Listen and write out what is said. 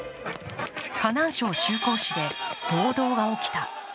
河南省周口市で暴動が起きた。